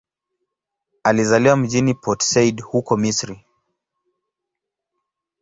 Alizaliwa mjini Port Said, huko Misri.